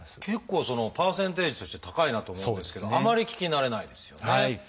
結構パーセンテージとして高いなと思うんですけどあまり聞き慣れないですよね。